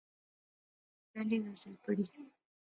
انی پہلی غزل پڑھی